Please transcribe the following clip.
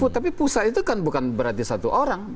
tapi pusat itu kan bukan berarti satu orang